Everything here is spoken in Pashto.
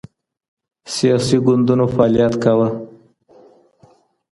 سیاسي ګوندونو فعالیت کاوه.